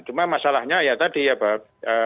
cuma masalahnya ya tadi ya pak